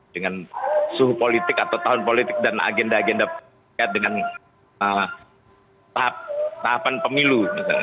dengan suhu politik atau tahun politik dan agenda agenda dengan tahapan pemilu